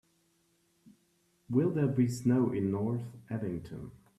Will there be snow in North Abington